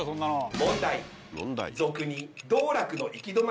問題。